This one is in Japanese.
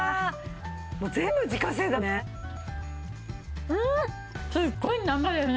もう全部自家製だもんね！